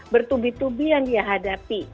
bertubi tubi yang dia hadapi